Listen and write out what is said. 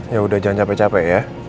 ya udah jangan capek capek ya